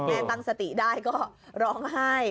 ตั้งสติได้ก็ร้องไห้